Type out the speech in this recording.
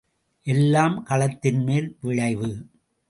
எல்லாம் களத்தின்மேல் விளைவு.